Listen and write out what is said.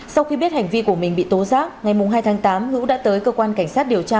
sau khi biết hành vi của mình bị tố giác ngày hai tháng tám hữu đã tới cơ quan cảnh sát điều tra